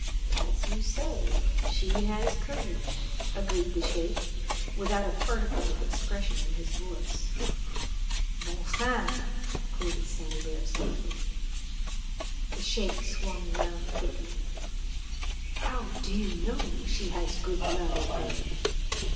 "As you say, she has courage," agreed the Sheik, without a particle of expression in his voice. "Bon sang " quoted Saint Hubert softly. The Sheik swung round quickly. "How do you know she has good blood in her?"